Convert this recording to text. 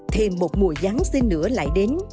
thêm một mùa giáng sinh nữa lại đến